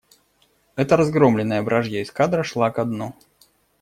Это разгромленная вражья эскадра шла ко дну.